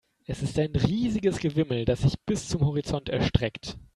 Es ist ein riesiges Gewimmel, das sich bis zum Horizont erstreckt.